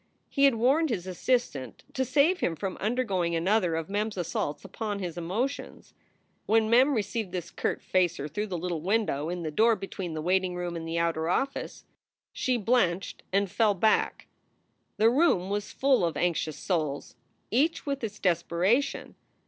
He had warned his assistant to save him from undergoing another of Mem s assaults upon his emotions. When Mem received this curt facer through the little window in the door between the waiting room and the outer office, she blenched and fell back. The room was full of anxious souls, each with its despera tion.